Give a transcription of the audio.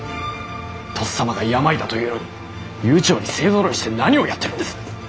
とっさまが病だというのに悠長に勢ぞろいして何をやってるんです？